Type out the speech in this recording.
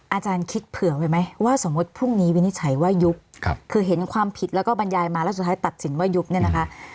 อาจารย์คิดเผื่อไว้ไหมว่าสมมุติพรุ่งนี้วินิจฉัยว่ายุบคือเห็นความผิดแล้วก็บรรยายมาแล้วสุดท้ายตัดสินว่ายุบเนี่ยนะคะ